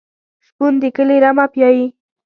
شپون د کلي رمه پیایي.